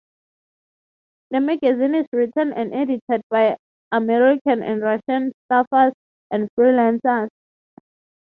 The magazine is written and edited by American and Russian staffers and freelancers.